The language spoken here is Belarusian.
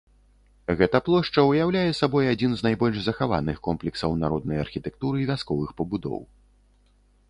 Гэта плошча ўяўляе сабой адзін з найбольш захаваных комплексаў народнай архітэктуры вясковых пабудоў.